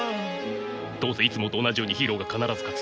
どうせいつもと同じようにヒーローが必ず勝つ。